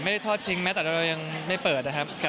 ทอดทิ้งแม้แต่เรายังไม่เปิดนะครับ